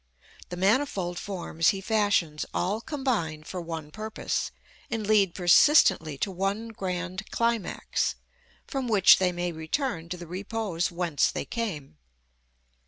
The manifold forms he fashions all combine for one purpose, and lead persistently to one grand climax, from which they may return to the repose whence they came.